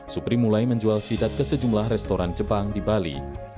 supri mulai menjual sidat ke sejumlah restoran jepang di bali